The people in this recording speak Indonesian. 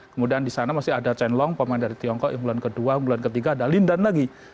kemudian di sana masih ada chen long pemain dari tiongkok yang bulan kedua unggulan ketiga ada lindan lagi